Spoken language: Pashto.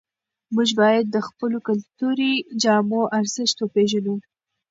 موږ باید د خپلو کلتوري جامو ارزښت وپېژنو.